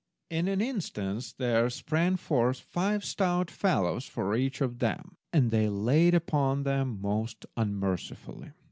In an instant there sprang forth five stout fellows for each of them, and they laid upon them most unmercifully.